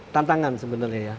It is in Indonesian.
tantangan sebenarnya ya